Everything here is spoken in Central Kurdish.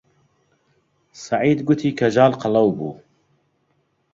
سەعید گوتی کەژاڵ قەڵەو بوو.